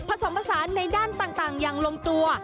ผสมผสานในด้านต่างอย่างลงตัว